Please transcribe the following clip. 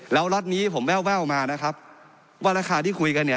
แล้วล็อตนี้ผมแววมานะครับว่าราคาที่คุยกันเนี่ย